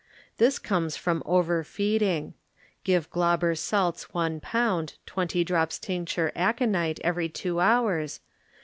This comes from overfeedii^. Give Glauber salts one pound, twenty drops tincture aconite every two hours.